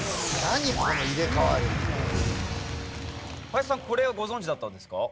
林さんこれはご存じだったんですか？